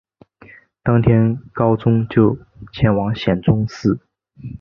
当天高宗就前往显忠寺。